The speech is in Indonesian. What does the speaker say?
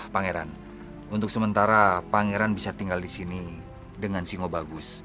pangeran untuk sementara pangeran bisa tinggal di sini dengan singo bagus